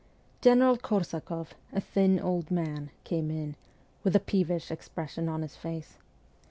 General Korsakoff, a thin old man, came in, with a peevish expression on his face.